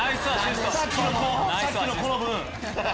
さっきの「子」の分。